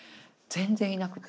全然いなくて。